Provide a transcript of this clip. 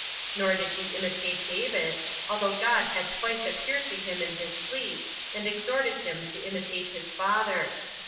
Nor did he imitate David, although God had twice appeared to him in his sleep, and exhorted him to imitate his father.